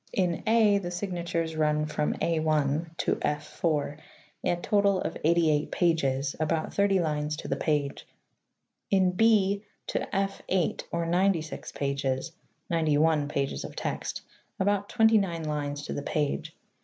In (a) the signatures run from A i to F iiii, a total of eighty eight pages, about thirty lines to the page ; in (1^) to F viii or ninety six pages (ninet3' one pages of text), about twent^' nine lines to the page.